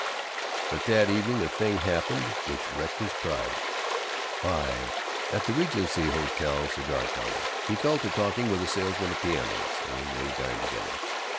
But that evening a thing happened which wrecked his pride. V At the Regency Hotel cigar counter he fell to talking with a salesman of pianos, and they dined together.